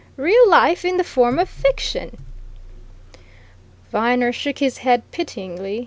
Real life in the form of fiction!" Viner shook his head, pityingly.